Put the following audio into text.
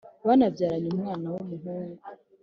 banabyaranye umwana w’umuhungu